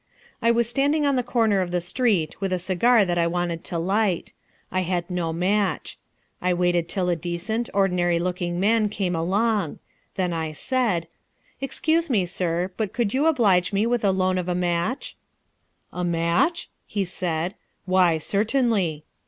I was standing on the corner of the street with a cigar that I wanted to light. I had no match. I waited till a decent, ordinary looking man came along. Then I said: "Excuse me, sir, but could you oblige me with the loan of a match?" "A match?" he said, "why certainly."